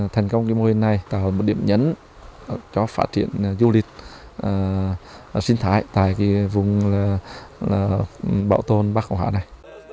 thành công cái mô hình này tạo ra một điểm nhấn cho phát triển du lịch sinh thái tại vùng bảo tồn bắc cộng hòa này